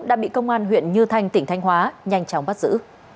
đã bị công an huyện như thanh tỉnh thanh hóa nhanh chóng bắt giữ